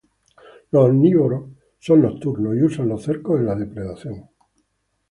Los omnívoros son nocturnos, y usan los cercos en la depredación.